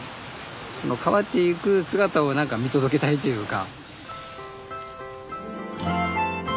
その変わっていく姿を何か見届けたいっていうか。